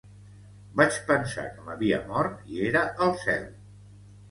Vaig pensar que m'havia mort i era al cel.